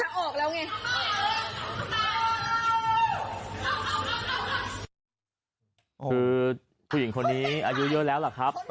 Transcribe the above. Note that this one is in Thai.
คือผู้หญิงคนนี้อายุเยอะแล้วล่ะครับ